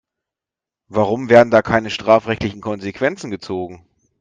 Warum werden da keine strafrechtlichen Konsequenzen gezogen?